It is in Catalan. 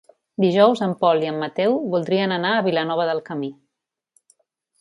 Dijous en Pol i en Mateu voldrien anar a Vilanova del Camí.